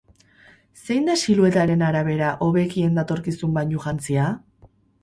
Zein da siluetaren arabera hobekien datorkizun bainujantzia?